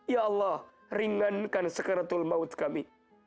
ya allah ringankan sekaratul mauth kami